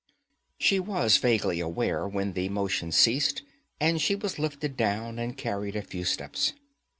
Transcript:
She was vaguely aware when the motion ceased and she was lifted down and carried a few steps.